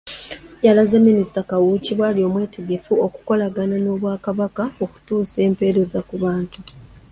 Yalaze Minisita Kawuki bw'ali omwetegefu okukolagana n'Obwakabaka okutuusa empeereza ku bantu